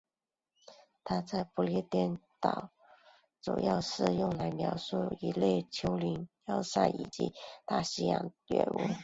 它在不列颠群岛主要用来描述一类丘陵要塞以及大西洋圆屋。